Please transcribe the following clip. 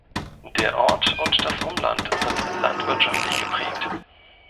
Der Ort und das Umland sind landwirtschaftlich geprägt.